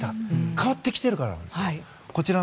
変わってきているからです。